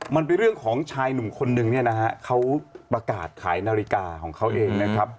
มันเป็นเรื่องของชายหนุ่มคนนึงเนี่ยนะฮะเขาประกาศขายนาฬิกาของเขาเองนะครับ